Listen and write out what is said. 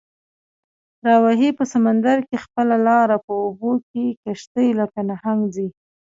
راوهي په سمندر کې خپله لاره، په اوبو کې یې کشتۍ لکه نهنګ ځي